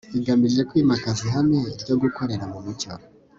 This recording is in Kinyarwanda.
igamije kwimakaza ihame ryo gukorera mu mucyo